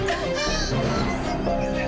ibu harus bangun ayo ibu